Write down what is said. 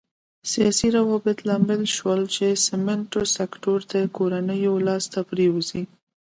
سیاسي روابط لامل شول چې سمنټو سکتور د کورنیو لاس ته پرېوځي.